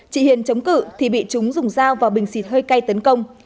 chị hiền chống cử thì bị chúng dùng dao vào bình xịt hơi cay tấn công